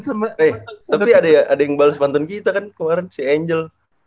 eh tapi ada yang bales mantan kita kan kemarin si angel